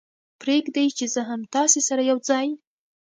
پرېږدئ چې زه هم تاسې سره یو ځای.